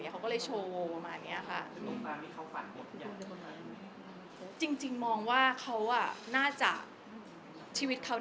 เขาก็เลยโชว์ประมาณนี้ค่ะ